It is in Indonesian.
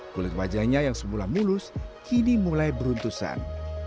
kulit wajahnya yang semula mulus kini mulai beruntusan